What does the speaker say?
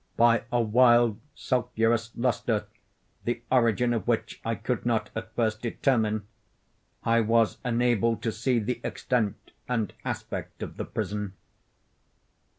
By a wild sulphurous lustre, the origin of which I could not at first determine, I was enabled to see the extent and aspect of the prison.